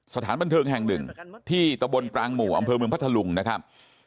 สถานบันเทิงแห่งหนึ่งที่ตะบนปรางหมู่อำเภอเมืองพัทธลุงนะครับ